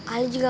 ali juga kan